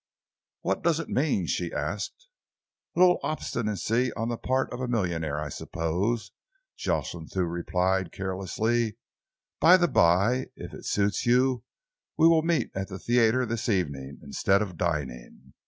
"What does it mean?" she asked. "A little obstinacy on the part of a millionaire, I suppose," Jocelyn Thew replied carelessly. "By the by, if it suits you we will meet at the theatre this evening, instead of dining.